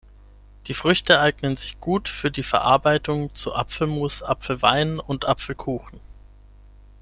Die Früchte eignen sich gut für die Verarbeitung zu Apfelmus, Apfelwein und Apfelkuchen.